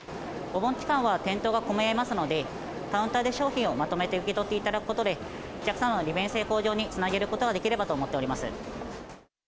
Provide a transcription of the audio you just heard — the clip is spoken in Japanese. お盆期間は店頭が混み合いますので、カウンターで商品をまとめて受け取っていただくことで、お客様の利便性向上につなげることができればと思っております。